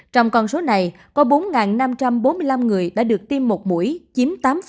trong con số này có bốn năm trăm bốn mươi năm người đã được tiêm một mũi chiếm tám